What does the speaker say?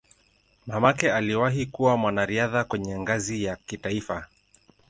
Mamake aliwahi kuwa mwanariadha kwenye ngazi ya kitaifa.